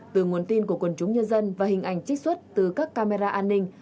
từ nguồn tin của quần chúng nhân dân và hình ảnh trích xuất từ các camera an ninh